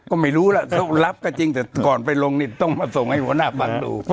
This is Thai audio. ก็ไม่รู้ล่ะเขารับก็จริงแต่ก่อนไปลงนี่ต้องมาส่งให้หัวหน้าพักดู